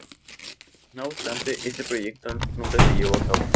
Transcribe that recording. No obstante, este proyecto nunca se llevó a cabo.